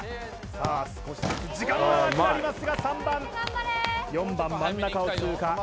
さあ少しずつ時間がなくなりますが３番４番真ん中を通過